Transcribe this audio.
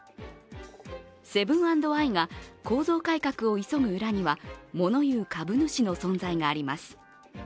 セブン＆アイが構造改革を急ぐ裏には物言う株主の存在があります。